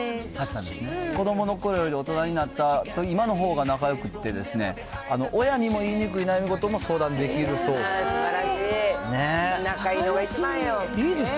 子どもの頃より、大人になった今のほうが仲よくってですね、親にも言いにくい悩み事も相談できるそうです。